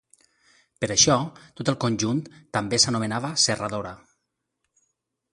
Per això tot el conjunt també s'anomenava serradora.